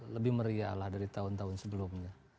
lebih meriah lah dari tahun tahun sebelumnya